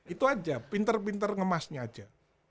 itu aja pinter pinter ngemasnya aja